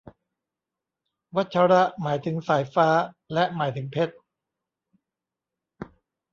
วัชระ หมายถึงสายฟ้า และหมายถึงเพชร